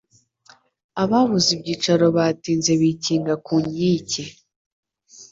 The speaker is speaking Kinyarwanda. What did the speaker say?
Ababuze ibyicaro batinze bikinga kunyike